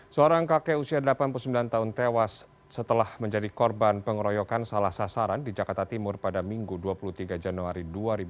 seorang kakek usia delapan puluh sembilan tahun tewas setelah menjadi korban pengeroyokan salah sasaran di jakarta timur pada minggu dua puluh tiga januari dua ribu dua puluh